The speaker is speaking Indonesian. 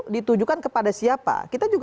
ditujukan kepada siapa kita juga